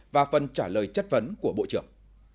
và phần trả lời chất vấn của bộ trưởng